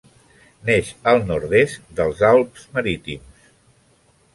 Neix al nord-est dels Alps Marítims.